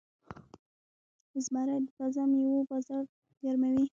زمری د تازه میوو بازار ګرموي.